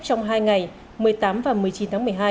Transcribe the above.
trong hai ngày một mươi tám và một mươi chín tháng một mươi hai